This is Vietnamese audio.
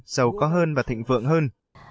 giàu có hơn và thịnh vượng hơn